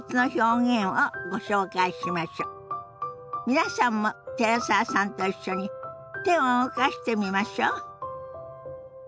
皆さんも寺澤さんと一緒に手を動かしてみましょ。